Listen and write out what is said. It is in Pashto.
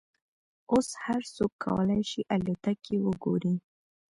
اوس هر څوک کولای شي الوتکې وګوري.